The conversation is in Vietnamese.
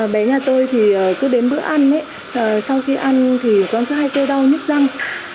bé nhà tôi cứ đến bữa ăn sau khi ăn con cứ hay kêu đau nhức răng